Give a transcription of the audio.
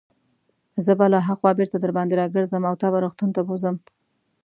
زه به له هاخوا بیرته درباندې راګرځم او تا به روغتون ته بوزم.